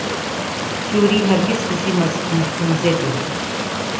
theory ہرگز کسی مفروضے پہ